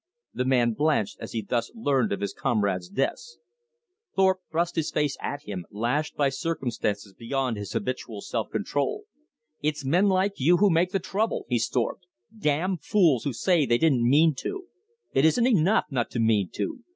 The man blanched as he thus learned of his comrades' deaths. Thorpe thrust his face at him, lashed by circumstances beyond his habitual self control. "It's men like you who make the trouble," he stormed. "Damn fools who say they didn't mean to. It isn't enough not to mean to.